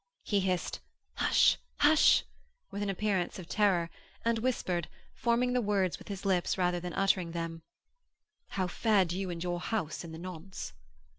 He hissed: 'Hush! hush!' with an appearance of terror, and whispered, forming the words with his lips rather than uttering them: 'How fared you and your house in the nonce?'